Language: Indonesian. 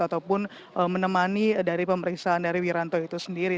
ataupun menemani dari pemeriksaan dari wiranto itu sendiri